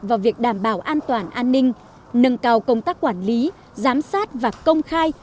vào việc đảm bảo an toàn an ninh nâng cao công tác quản lý giám sát và công khai